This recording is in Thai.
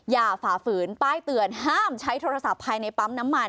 ฝ่าฝืนป้ายเตือนห้ามใช้โทรศัพท์ภายในปั๊มน้ำมัน